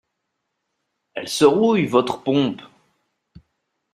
Elle se rouille, votre pompe !